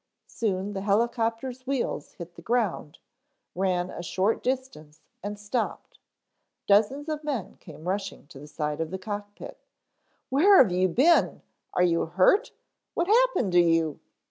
Soon the helicopter's wheels hit the ground, ran a short distance and stopped. Dozens of men came rushing to the side of the cockpit. "Where have you been " "Are you hurt?" "What happened to you?"